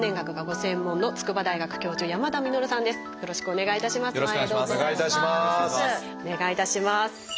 お願いいたします。